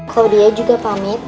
claudia juga pamit